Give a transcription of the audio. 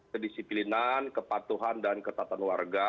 kedisiplinan kepatuhan dan ketatan warga